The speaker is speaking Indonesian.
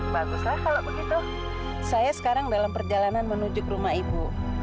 baguslah kalau begitu saya sekarang dalam perjalanan menuju ke rumah ibu